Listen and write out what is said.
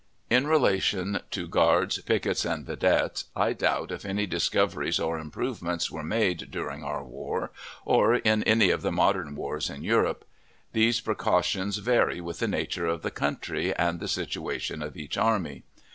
In relation to guards, pickets, and vedettes, I doubt if any discoveries or improvements were made during our war, or in any of the modern wars in Europe. These precautions vary with the nature of the country and the situation of each army.